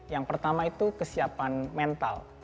yang pertama itu kesiapan mental